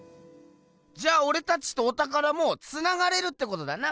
じゃあオレたちとおたからもつながれるってことだな。